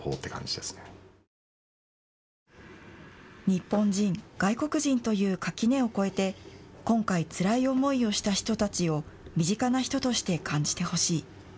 日本人、外国人という垣根を越えて今回、つらい思いをした人たちを身近な人として感じてほしい。